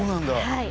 はい。